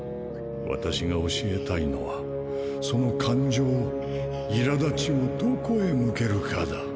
私が教えたいのはその感情を苛立ちをどこへ向けるかだ。